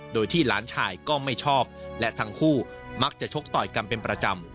โดยที่หลานชายก็ไม่ชอบและทั้งคู่มักจะชกต่อยกันเป็นประจำ